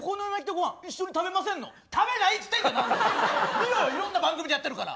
見ろよいろんな番組でやってるから。